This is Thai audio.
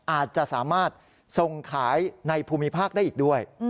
อาจจะสามารถส่งขายในภูมิภาคได้อีกด้วย